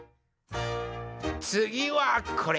つぎはこれ！